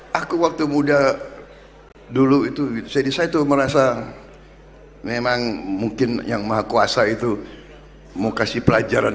aku waktu muda dulu itu jadi saya tuh merasa memang mungkin yang maha kuasa itu mau kasih pelajaran